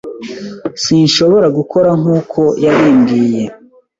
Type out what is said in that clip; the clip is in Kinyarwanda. Sinshobora gukora nkuko yabimbwiye.